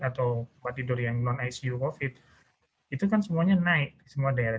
atau tempat tidur yang non icu covid itu kan semuanya naik di semua daerah